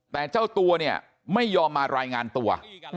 แต่เจ้าตัวเนี่ยไม่ยอมมารายงานตัว